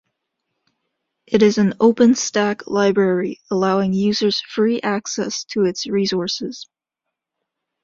It is an "open-stack" library, allowing users free access to its resources.